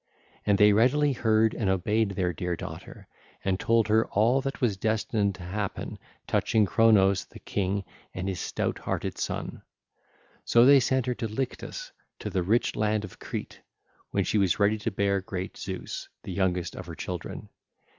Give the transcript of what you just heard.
And they readily heard and obeyed their dear daughter, and told her all that was destined to happen touching Cronos the king and his stout hearted son. So they sent her to Lyetus, to the rich land of Crete, when she was ready to bear great Zeus, the youngest of her children.